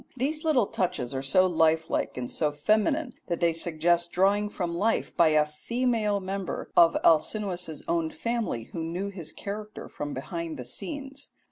These little touches are so lifelike and so feminine that they suggest drawing from life by a female member of Alcinous's own family who knew his character from behind the scenes.